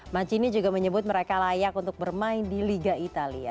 macini juga menyebut mereka layak untuk bermain di liga italia